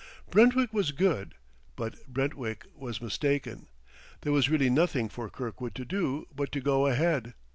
Brentwick was good, but Brentwick was mistaken. There was really nothing for Kirkwood to do but to go ahead.